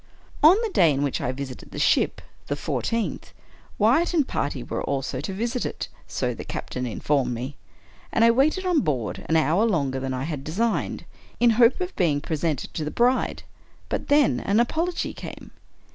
On the day in which I visited the ship (the fourteenth), Wyatt and party were also to visit it — so the captain in formed me, — and I waited on board an hour longer than I had designed, in hope of being presented to the bride; but then an apology came.